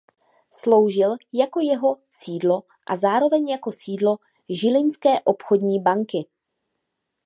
Sloužil jako jeho sídlo a zároveň jako sídlo Žilinské obchodní banky.